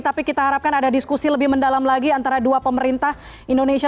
tapi kita harapkan ada diskusi lebih mendalam lagi antara dua pemerintah indonesia